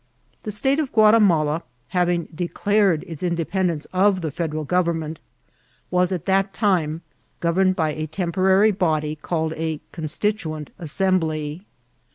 The State of Guatimala, hav ing declared its independence of the Federal govern ment, was at that time governed by a temporary body called a Constituent Assembly.